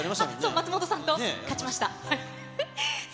松本さんと、勝ちました。